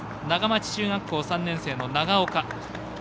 長町中学校３年生の長岡。